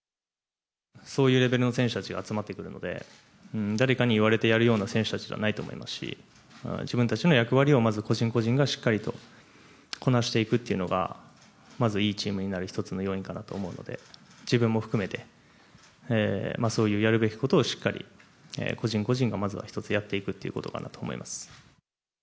そういうレベルの選手たちが集まってくるので、誰かに言われてやるような選手たちじゃないと思いますし、自分たちの役割を、まず個人個人がしっかりとこなしていくっていうのが、まず、いいチームになる一つの要因かなと思うので、自分も含めて、そういうやるべきことをしっかり、個人個人が、まずは一つやっていくということかなと思います。